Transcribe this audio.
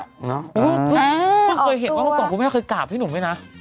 ผมเคยเห็นวันนี้ก่อนพี่แม่เคยกล่าบพี่หนุ่มไหมนะ